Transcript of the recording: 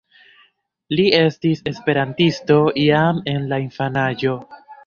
Li estis esperantisto jam en la infanaĝo.